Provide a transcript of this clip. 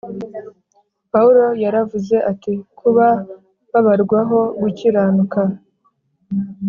Pawulo yaravuze ati ‘kuba babarwaho gukiranuka